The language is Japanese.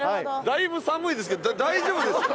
だいぶ寒いですけど大丈夫ですか？